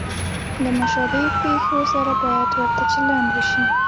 له مشابه پېښو سره باید ورته چلند وشي.